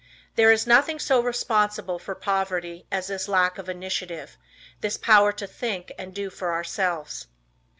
There is nothing so responsible for poverty as this lack of initiative, this power to think and do for ourselves.